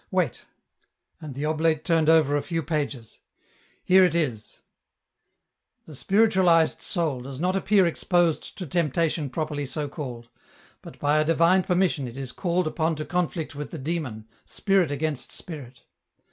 Wait. ..." And the oblate turned over a few pages. "Here it is :"' Tne spiritualized soul does not appear exposed to temptation properly so called, but by a divine permission it is caileJ upon to conflict with the Demon, spirit against spirit.